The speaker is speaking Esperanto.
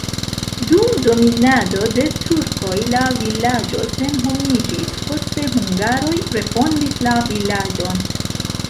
Dum dominado de turkoj la vilaĝo senhomiĝis, poste hungaroj refondis la vilaĝon.